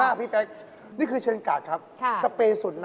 อ้าวแล้ว๓อย่างนี้แบบไหนราคาถูกที่สุด